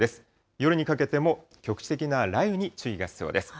夜にかけても局地的な雷雨に注意が必要です。